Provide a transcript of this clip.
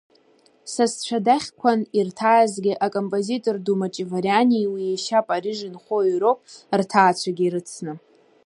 Сасцәа дахьқәан ирҭаазгьы акомпозитор ду Маҷавариании уи иашьа Париж инхои роуп, рҭаацәагьы рыцны.